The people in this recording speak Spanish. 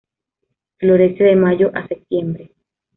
Florece de Mayo a Septiembre.